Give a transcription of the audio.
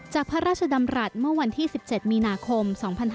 พระราชดำรัฐเมื่อวันที่๑๗มีนาคม๒๕๕๙